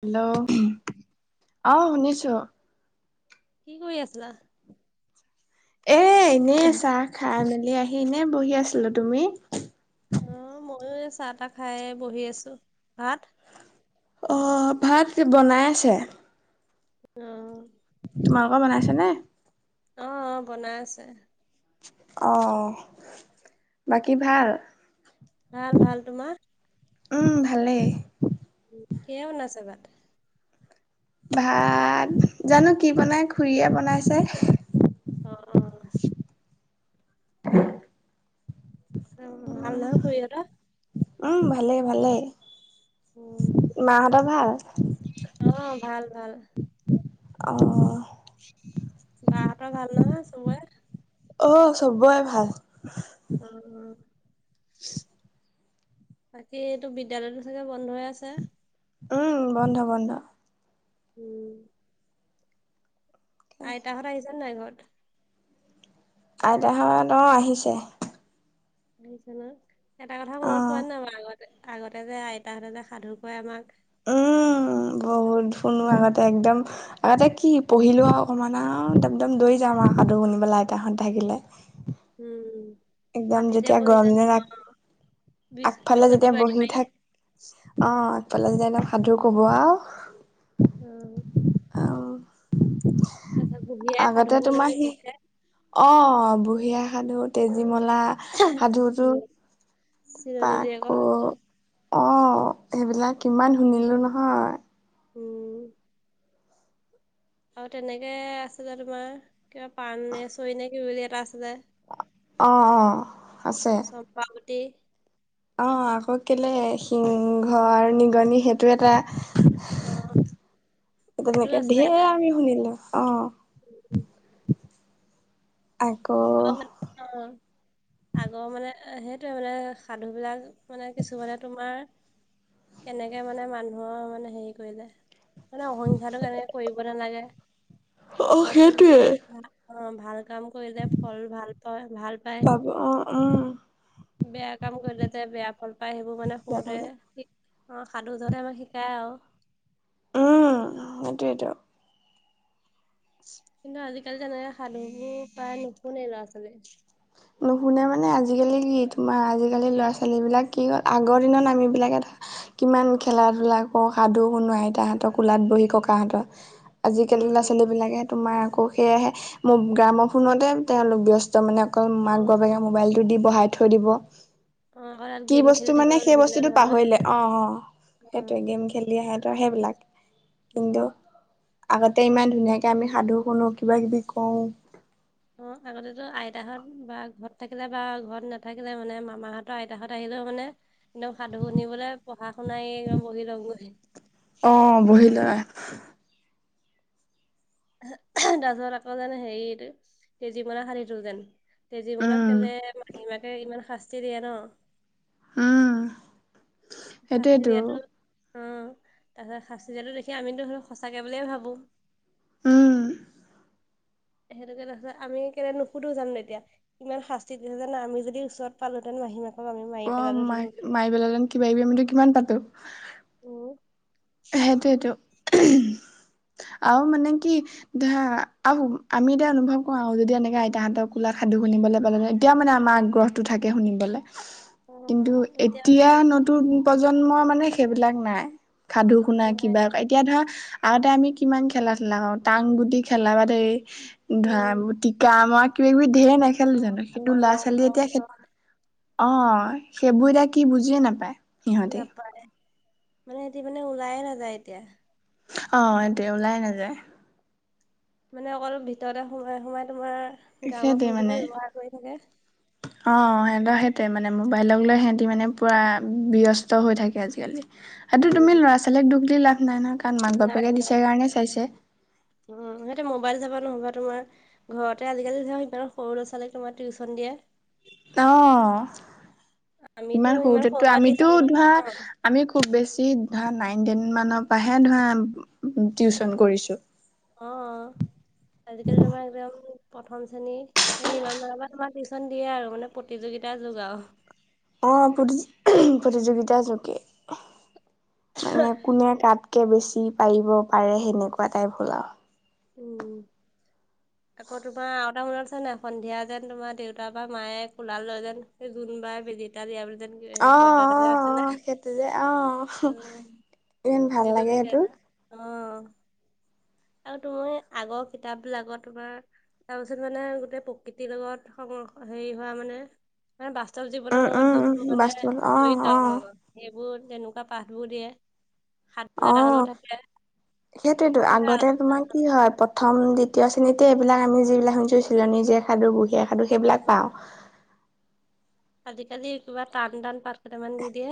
Hello অঁ শুনিছো কি কৰি আছিলা? এ এনেই চাহ খাই মেলি আহি এনেই বহি আছিলোঁ, তুমি? অ ময়ো এই চাহ তাহ খাই বহি আছো ভাত অ ভাত যে বনাই আছে অ তোমালোকৰ বনাইছে নে? অ অ বনাই আছে অ অ, বাকী ভাল? ভাল ভাল, তোমা? উম ভালেই। কিহে বনাইছে ভাত ভাত জানো কি বনাই খুৰীয়ে বনাইছে অ অ [unintelligible] হয় বোলো ভাল নহয় খুৰিহঁত উম ভালেই ভালেই, মাহঁতৰ ভাল? অ ভাল ভাল অ বা হঁতৰ ভাল নহয় চবই অ চবই ভাল উম উম বাকী তো বিদ্যয়ালয়টো চাগে বন্ধই আছে? উম বন্ধ বন্ধ উম আইতাহত আহিছে নে নাই ঘৰত? আইতাহঁত অঁ আহিছে। আহিছ ন। এটা কথা মনত অ পৰে নাই বা আগতে আগতে যে আইতাহঁতে যে সাধু কয় আমাক ওম বহুত শুনো আগতে একদম আগতে কি পঢ়িলো অকমান আওএকম একদম দৌৰি যাম আও আইতাহত থাকিলে। উমঁ! একদম যেতিয়া গৰম দিনত আগ বিচ আগফালে বিচনী যেতিয়া মাৰি বহি মাৰি থাক অঁ আফালে যেতিয়া ন সাধু কব আও উমঁ! অও! তাৰপিছত বুঢ়ি আই সাধু সুনিবলে অঁ বুঢ়িআইৰ সাধু তেজীমলা এহে সাধুটো ওম চিলনী জীয়েকৰ সাধু যে অঁ সেইবিলাক কিমান শুনিলো নহয়। উমঁ! অঁ তেনেকে আছে যে তোমাৰ কিবা পানে চৰি নে কি বুলি এটা আছে যে অঁ অঁ আছে চম্পা গুটি অঁ আকৌ কেলে সিংহ ঘৰ নিগনি সেইটো এটা। অহ! তেনেকে ধেৰ আমি শুনিলো অঁ। আকৌ অঁ! আগৰ মানে সেইটোয়ে মানে সাধু বিলাক মানে কিছুমানে তোমাৰ কেনেকে মানে মানুহৰ মানে হেৰি কৰিলে? মানে অহিংখাটো কেনেকে কৰিব নালাগে অ বা কোনতো সেইটোৱে ভাল কাম কৰিলে ফল ভাল পায় ভাল পায়। পাব অঁ অঁ! বেয়া কাম কৰিলে যে বেয়া ফল পায় সেইবোৰ মানে সৰুতে দেখালে অঁ সাধুজনে আমাক শিকায় আও উমঁ সেইটোয়েতো। কিন্তু আজিকালি জানা এই সাধুবোৰ প্ৰায় নুশুনে ল'ৰা ছোৱালীয়ে নুশুনে মানে আজিকালি কি তোমাৰ আজিকালি ল'ৰা ছোৱালীবিলাক কি ক' আগৰ দিনত আমিবিলাক এটা কিমান খেলা ধূলা কৰো সাধু শুনো আইতাহঁতৰ কোলাত বহি ককাহঁতৰ। আজিকালি ল'ৰা উম ছোৱালী বিলাকে তোমাৰ আকৌ সেয়াহে মোৰ গ্ৰামৰ ফোনতে তেওঁলোক ব্যস্ত মানে। অকল অ মাক বাপেকে মোবাইলটো দি বহাই থৈ দিব। অঁ মই অকলে কি বস্তু মানে সেই বস্তুতটো পাহৰিলে অঁ অঁ অ সেইটোৱে গেম খেলি আহেতো সেইবিলাক ইংডো উম আগতে ইমান ধুনীয়াকে আমি সাধু শুনো কিবা কিবি কওঁ অঁ আগতেতো আইতাহত বা ঘৰত থাকিলে বা ঘৰত নাথাকিলে মানে মামাহঁতৰ আইতাহত আহিলেও মানে একদম সাধু শুনিবলৈ পঢ়া শুনাই একদম বহি লওঁগৈ। অঁ বহি লোৱা। এহে তাৰ পিছত আকৌ যেন হেৰি তেজীমলা শাধুতো যেন তেজীমলাক উম কেলেই মাহী মাকে ইমান শাস্তি দিয়ে ন? উম। শাস্তি সেইটোয়েতো দিয়াটো অ', তাৰপিছত শাস্তি দিয়াটো দেখি আমিতো ধৰ সঁচাকে বুলিয়ে ভাবোঁ। উম। সেইটোকে তাৰপিচত আমি কেলে নুখুধো জানো এতিয়া? ইমান শাস্তি দিছে জানা, আমি যদি ওচৰত পালোঁহেতেন মাহীমাকক আমি মাৰি অ' পেলালোহেঁতেন। মাই-মাৰি পেলালে কিবা কিবি আমিতো কিমান পাতো। উম, সেইটোয়েটো আৰু মানে কি ধৰা আমি এতিয়া অনুভৱ কৰো যদি এনেকা আইতাহতৰ কোলাত সাধু শুনিবলৈ পালো হয়। এতিয়া মানে আমাৰ আগ্ৰহটো থাকে শুনিবলে। কিন্তু অ', এতিয়া আছে এতিয়াৰ নতুন প্ৰজন্মৰ মানে সেইবিলাক নাই। সাধু শুনা, নাই। কিবা কৰা, এতিয়া ধৰা আগতে আমি কিমান খেলা- ধুলা কৰো, টাং গুটি খেলা বাদেই ধৰা উম, টিকা মাৰ কিবা কিবি ধেৰ খেলো অ', জানো আকৌ কিন্তু ল'ৰা ৰং ছোৱালী ৰং এতিয়া ৰং অ', সেইবোৰ এতিয়া কি বুজিয়ে নাপায়। সিহঁতে নাপায় মানে সিহতি মানে ওলায়ে নাযায় এতিয়া। অ' সিহঁতে ওলাই নাযায়। মানে অকল ভিতৰতে সোমাই, সোমাই তোমাৰ গাঁৱৰ সেইটোৱে ফোনটোকে মানে অ', ব্যৱহাৰ কৰি থাকে। সিহতৰ সেইটোৱেই মানে মোবাইলক লৈ সিহঁতি মানে পুৰা ব্যস্ত হৈ থাকে আজিকালি। সেইটো তুমি উম, ল'ৰা -ছোৱালীক দুখ দি লাভ নাই নহয়। কাৰণ মাক- নাই বাপেকে নাই দিছে কাৰণে চাইছে। উম, সিহঁতে মোবাইল চাব নহ'বা তোমাৰ ঘৰতে আজিকালি ধৰক ইমান সৰু ল'ৰা- ছোৱালীক তোমাৰ টিউচন দিয়ে। অ', আমিতো ইমান সৰুৰ সৰুতেটো পৰা আমিতো টিউচন কৰি ধৰা অ', আমি খুব বেছি ধৰা নাইন, টেন মানৰ পৰাহে ধৰা টিউচন কৰিছো। অ', আজিকালি তোমাৰ একদম প্ৰথম শ্ৰেণী সিহতে ইমান মানৰ পৰা তোমাৰ টিউচন দিয়ে আৰু মানে প্ৰতিযোগিতাৰ যোগ আৰু। অঁ'প্ৰতিযো -প্ৰতিযোগিতাৰ যোগে। মানে কোনে কাত কে বেছি পাৰিব পাৰে, সেনেকুৱা টাইপ হ'ল আৰু। উম, আকৌ তোমাৰ এটা মনত আছে নে নাই? সন্ধিয়া যেন তোমাৰ দেউতা বা মায়ে কোলাত লয় যেন জোনবাই বেজী এটা দিয়া বুলি যেন অ', পদ্য এটা অ', যেন আছিলে। অ' সেইটো যে, অ' অ', ইমান ভাল লাগে সেইটো। অ'। আৰু তুমি, আগৰ কিতাপ বিলাকত তোমাৰ তাৰপিছত মানে গোটেই প্ৰকৃতিৰ লগত সংৰ - হেৰি হোৱা মানে মানে বাস্তৱ জীৱনৰ উম লগত উম যোনবোৰ মানে বাস্কেটবল অ জড়িত অ আৰু ন সেইবোৰ তেনেকুৱা পাঠবোৰ দিয়ে। সাধু এটা অহ, হলেও থাকে সেইটোয়েতো কিন্তু আজি আগতে তোমাৰ কি হয় প্ৰথম, দ্বিতীয় শ্ৰেণীতে এইবিলাক আমি যিবিলাক শুনিছো, চিলনী জীয়েক সাধু, বুঢ়ী আইৰ সাধু সেইবিলাক অ, পাওঁ। আজিকালি কিবা টান- টান পাঠকেইটামান দি দিয়ে।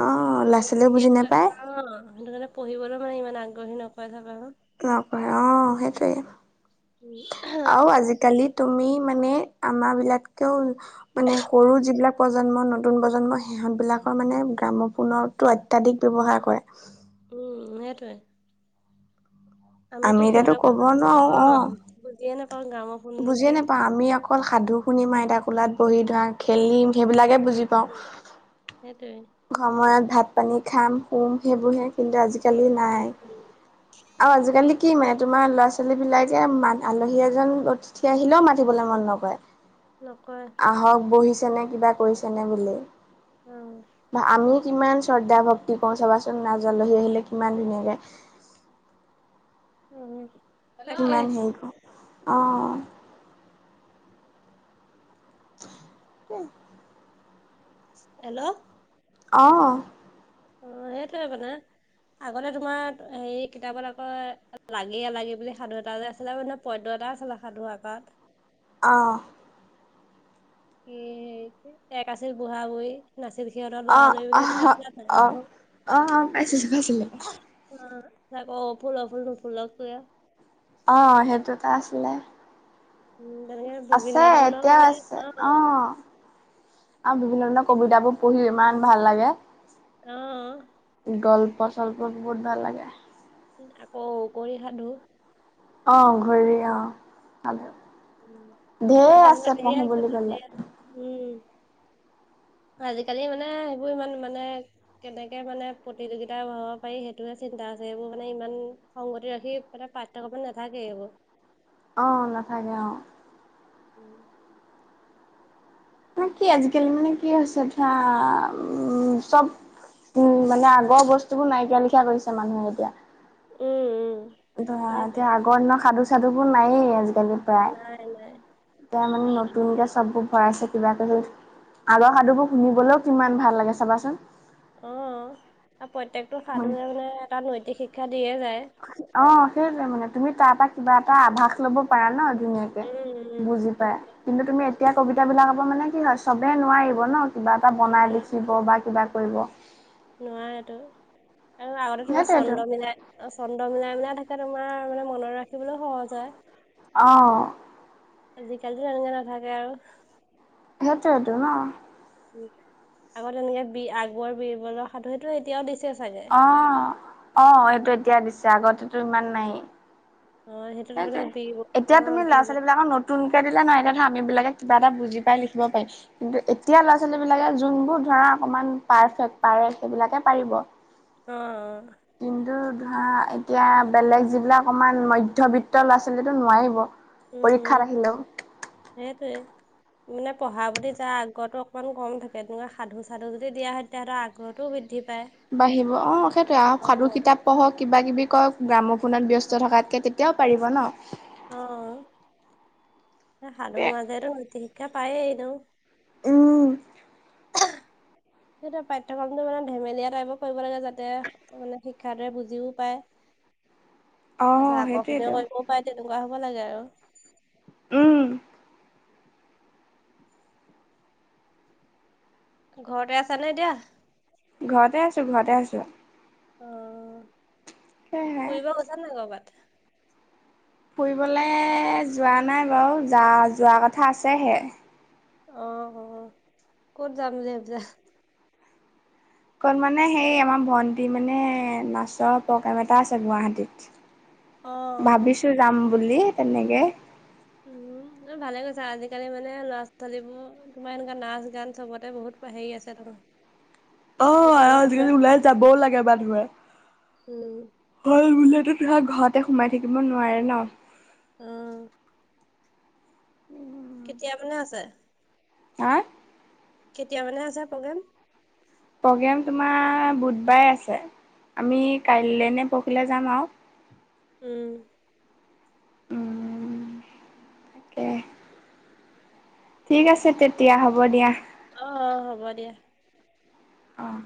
অ ল'ৰা অহ, ছোৱালীয়েও বুজি সেইটো নাপায় কাৰণে পঢ়িবলৈ মানে ইমান আগ্ৰহী নকৰে চাবাচোন। নকৰে অ' সেইটোৱে, উম আৰু আজিকালি তুমি মানে আমাৰ বিলাতকেও মানে সৰু যিবিলাক প্ৰজন্ম নতুন প্ৰজন্ম সিহঁতবিলাকৰ মানে গ্ৰামফোণত টো অত্যাধিক ব্যৱহাৰ কৰে। উম, সেইটোৱে। আমি আমিতো এতিয়াতো সিহঁতৰ ক'ব বয়সত নোৱাৰো অ অ'বুজিয়ে নাপাওঁ গাঁৱৰ বুজিয়ে নাপাওঁ, আমি অকল সাধু শুনিম আইতা কোলাত বহি ধৰা খেলিম সেইবিলাকে বুজি পাওঁ। উম সেইটোৱে সময়ত ভাত পানী খাম, শুম সেইবোৰহে কিন্তু আজিকালি নাই। আৰু আজিকালি কি মানে তোমাৰ ল'ৰা ছোৱালী বিলাকে মান আলহী এজন উঠি আহিলে, মাতিবলৈ মন নকৰে। নকৰে। আহক বহিছেনে কিবা কৰিছেনে বুলি। উম বা আমিও কিমান শ্ৰদ্ধা ভক্তি কওঁ চাবাচোন না জা আলহী আহিলে কিমান ধুনীয়াকে। উম। তাকে কিমান হেৰিক, অঁ। [unintelligible] হেল্ল। অঁ। অ সেইটোৱে কথা। আগতে তোমাৰ হেৰী কিতাপত আকৌ লাগে লাগে বুলি সাধু যে এটা আছিলে। পদ্য এটা আছিলে সাধু আকাত। অঁ কি এক আছিল বুঢ়া বুঢ়ী। নাছিল সিহঁতৰ লৰা লৰি অহ বুলিটো পাইছিলা নে অ অ নাই? অ পাইছিলো পাইছিলো আঁ এ অ ফুল অ ফুলো নুফুলো কিয়? অঁ, সেইটো এটা আছিলে। উম তেনেকে বিভিন্ন আছে ধৰণৰ এতিয়াও মানে আছে অ অঁ। আৰু বিভিন্ন ধৰণৰ কবিতাবোৰ পঢ়ি ইমান ভাল লাগে। অঁ গল্প চল্প বহুত ভাল লাগে। আকৌ ওকৰি সাধু। অঁ অঘৰী অঁ, ‌ উম ভালে সেই ঢেৰ তেনেকুৱা আছে ঢেৰ পঢ়িবলৈ আছিলে ঢেৰ গলে। আছে উম আজিকালি মানে, সেইবোৰ ইমান মানে কেনেকে মানে প্ৰতিযোগিতা বঢ়াব পাৰি, সেইটোয়ে চিন্তা আছে। এইবোৰ মানে ইমান সংগতি ৰাখি পাঠ্যক্ৰমত নেথাকে এইবোৰ। অঁ নাথাকে অঁ। উম। না কি আজিকালি মানে কি হৈছে ধৰা উম চব। উম মানে আগৰ বস্তুবোৰ নাইকিয়া লিখা কৰিছে মানুহে এতিয়া। উম উম। ধৰা সেইটোৱে এতিয়া আগৰ দিনৰ সাধু চাধুবোৰ নায়েই আজিকালি। কৰা, নাই নাই এতিয়া মানে নতুনকৈ চব বোৰ ভৰাইছে কিবা কিবি, আগৰ সাধুবোৰ শুনিবলৈও কিমান ভাল লাগে চাবাচোন। অঁ, আৰু প্ৰত্যেকটো সাধুৱে মানে এটা নৈতিক শিক্ষা দিয়ে যায়। অঁ, সেইটোৱে মানে তুমি তাৰ পৰা কিবা এটা আভাস লব পাৰা ন ধুনীয়া উম বুজি উম পায় কিন্তু তুমি এতিয়া কবিতা বিলাক আকৌ মানে কি হয় চবে নোৱাৰিব ন কিবা এটা বনাই নোৱাৰে লিখিব বা কিবা কৰিব নোৱাৰটো আৰু আগতে তোমাৰ সেইটোৱেটো চন্দ মিলাই অ চন্দ মিলাই মিলাই থাকে তোমাৰ মানে মনত ৰাখিবলৈও সহজ হয় অ আজিকালি তেনেকে নাথাকে আৰু সেইটোৱেটো ন উম আগত এনেকে বি আগবৰ বিৰবলৰ সাধুটো এতিয়াও দিছে চাগে অ অ সেইটো এতিয়া দিছে আগতেতো ইমান অ নাই সেইটোত মানে সেইটোৱেই বি অ এতিয়া তুমি বি ল'ৰা ছোৱালী বিলাকৰ নত নতুনকে দিলে নাই দেখা আমিবিলাকে কিবা এটা বুজি পাই লিখিব পাৰিছো কিন্তু এতিয়া ল'ৰা ছোৱালী বিলাকে যোনবোৰ ধৰা অকমান পাৰফেক্ট পাৰে সেইবিলাকে পাৰিব অ অ কিন্তু ধৰা এতিয়া বেলেগ যিবিলাক অকমান মধ্য মধ্যবিত্ত ল'ৰা ছোৱালীটো নোৱাৰিব উম উম পৰীক্ষাত আহিলেও। সেইটোৱে। মানে পঢ়া প্ৰতি তাৰ আগ্ৰহটো অকণমান কম থাকে তেনেকুৱা সাধু সাধু যদি দিয়া হয়। তেতিয়া ধৰা আগ্ৰহটো বৃদ্ধি পায় বাঢ়িব অ সেইটোয়ে আৰু অ সাধু কিতাপ পঢ়ক কিবা কিবি কৰক গ্ৰাম ফোনত ব্যস্ত থকাতকে এতিয়াও পাৰিব ন'? অ', সাধু মাজেৰে নৈতিক শিক্ষা পায়েই এনোও। উম, সেইটোয়ে পাঠ্যক্ৰমটো মানে ধেমেলীয়া টাইপৰ কৰিব লাগে যাতে মানে শিক্ষাৰ দৰে বুজিও পায়। [inaudible] তাৰছত আকৰ্ষণে সেইটোৱেতো কৰিবও পায় তেনেকুৱা হ'ব লাগে আৰু। উম, ঘৰতে আছা নে এতিয়া? ঘৰতে আছো ঘৰতে আছো। অ', সেয়হে ফুৰিব গৈছা নাই কৰ'বাত? ফুৰিবলৈ যোৱা নাই বাৰু যা যোৱা কথা আছেহে। অ', অ', ক'ত যাম বুলি ভাবিছা? অকণ মানে সেই আমাৰ ভণ্টি মানে নাচৰ প্ৰগ্ৰেম এটা আছে গুৱাহাটীত। অ অ ভাবিছো যাম বুলি তেনেকে। উম, অ', ভালে কৈছা আজিকালি মানে ল'ৰা ছোৱালীবোৰ তোমাৰ এনেকোৱা নাচ গান চবতে বহুত হেৰি আছে। অ অ প্ৰতিভা আছে আজিকালি ওলাই যাবও লাগে মানুহে। উম হল বুলিয়ে তোমাৰ ঘৰতে সোমাই থাকিব নোৱাৰে ন'। উম, [inaudible] কেতিয়া মানে আছে? হা? কেতিয়া মানে আছে প্ৰগ্ৰেম? প্ৰগ্ৰেম তোমাৰ বুধবাৰে আছে আমি কাইলৈ নে পৰখিলৈ যাম আৰু। উম, উম, তাকে। ঠিক আছে তেতিয়া হ'ব দিয়া। অ', অ', হ'ব দিয়া। অঁ'।